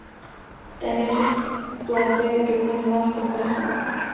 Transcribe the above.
Ten je při plavbě doplňován kompresorem.